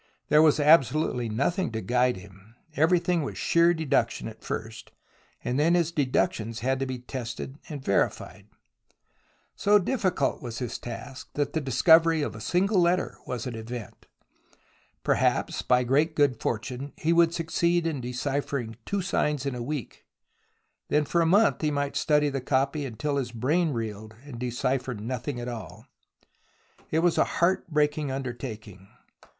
There was absolutely nothing to guide him. Everything was sheer deduction at first, and then his deductions had to be tested and verified. So difficult was his task that the discovery of a single letter was an event. Perhaps by great good fortune he would succeed in deciphering two signs in a week, then for a month he might study the copy until his brain reeled, and decipher nothing at all. It was a heart breaking under taking.